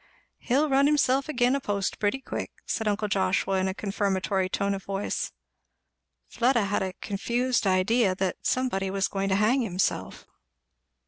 "He'll run himself agin a post pretty quick," said uncle Joshua in a confirmatory tone of voice. Fleda had a confused idea that somebody was going to hang himself.